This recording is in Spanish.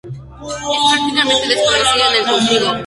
Es prácticamente desconocida en el cultivo.